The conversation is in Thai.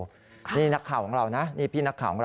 นี่พี่นักข่าวของเรานะนี่